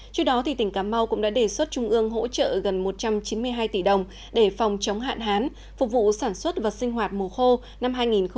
trước đó tỉnh cà mau cũng đã đề xuất trung ương hỗ trợ gần một trăm chín mươi hai tỷ đồng để phòng chống hạn hán phục vụ sản xuất vật sinh hoạt mù khô năm hai nghìn một mươi chín hai nghìn hai mươi